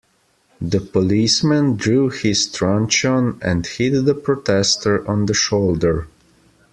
The policeman drew his truncheon, and hit the protester on the shoulder